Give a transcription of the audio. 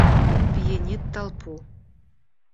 Пьянит толпу.